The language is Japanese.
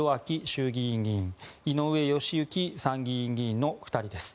衆議院議員井上義行参議院議員の２人です。